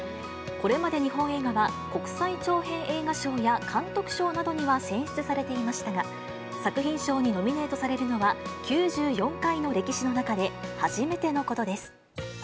これまで日本映画は国際長編映画賞や監督賞などには選出されていましたが、作品賞にノミネートされるのは、９４回の歴史の中で初めてのことです。